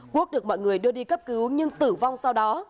quốc được mọi người đưa đi cấp cứu nhưng tử vong sau đó